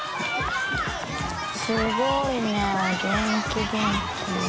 すごいね元気元気。